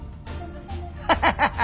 ハハハハ！